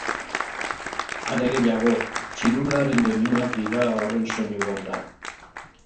Are gehiago, txirularen doinuak dira horren soinu banda.